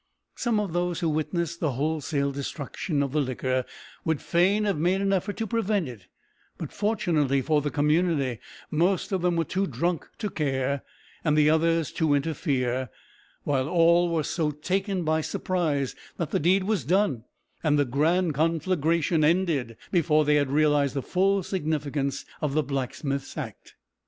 Some of those who witnessed the wholesale destruction of the liquor would fain have made an effort to prevent it; but, fortunately for the community, most of them were too drunk to care, and the others to interfere; while all were so taken by surprise that the deed was done and the grand conflagration ended before they had realised the full significance of the blacksmith's act.